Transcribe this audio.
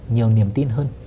nhiều niềm tin hơn